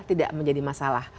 tidak menjadi masalah